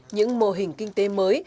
những mô hình kinh tế mới